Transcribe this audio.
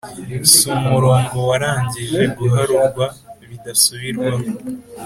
si umurongo warangije guharurwa bidasubirwaho,